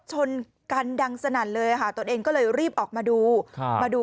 ชนกันดังสนั่นเลยค่ะตนเองก็เลยรีบออกมาดูมาดู